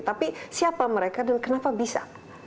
tapi siapa mereka dan kenapa bisa